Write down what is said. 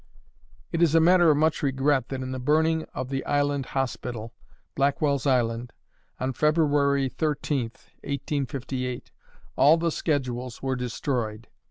It is a matter of much regret that in the burning of the Island Hospital, Blackwell's Island, on February 13th, 1858, all the schedules were destroyed.